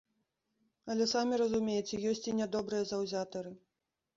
Але самі разумееце, ёсць і нядобрыя заўзятары.